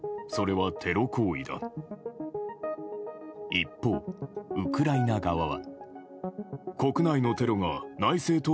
一方、ウクライナ側は。